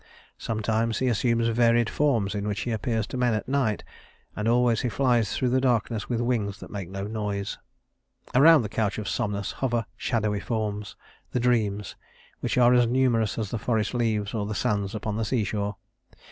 Sometimes he assumes varied forms in which he appears to men at night, and always he flies through the darkness with wings that make no noise. Around the couch of Somnus hover shadowy forms, the Dreams, which are as numerous as the forest leaves or the sands upon the seashore.